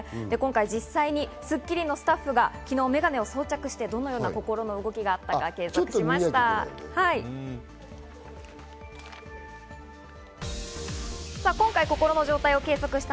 実際に『スッキリ』のスタッフが昨日メガネを装着してどのような心の動きがあったか計測しました。